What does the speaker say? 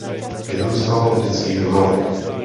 Vyrůstal v dětských domovech.